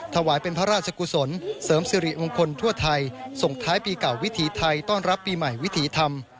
ถวายเป็นพระราชกุศลเสริมสิริมงคลทั่วไทยส่งท้ายปีเก่าวิถีไทยต้อนรับปีใหม่วิถีธรรม